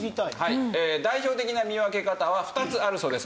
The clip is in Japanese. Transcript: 代表的な見分け方は２つあるそうです。